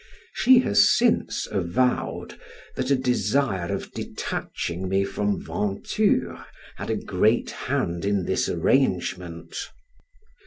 She has since avowed, that a desire of detaching me from Venture had a great hand in this arrangement.